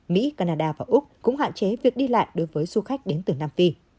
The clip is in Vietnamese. mỹ canada và úc cũng hạn chế việc đi lại đối với du khách đến từ nam phi